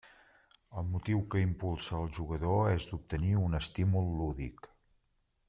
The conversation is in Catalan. El motiu que impulsa el jugador és d'obtenir un estímul lúdic.